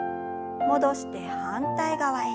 戻して反対側へ。